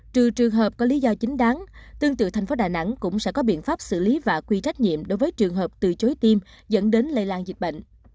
trừ trường hợp có lý do chính đáng tương tự thành phố đà nẵng cũng sẽ có biện pháp xử lý và quy trách nhiệm đối với trường hợp từ chối tim dẫn đến lây lan dịch bệnh